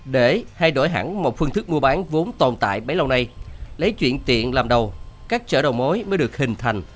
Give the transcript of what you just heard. để thay đổi hẳn một phương thức mua bán vốn tồn tại bấy lâu nay lấy chuyện tiện làm đầu các chợ đầu mối mới được hình thành